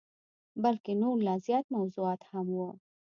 بلکه نور لا زیات موضوعات هم وه.